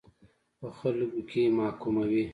په خلکو کې محکوموي.